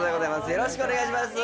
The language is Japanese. よろしくお願いします